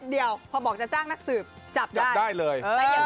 เดี๋ยวพอบอกจะจ้างนักสืบจับได้เลย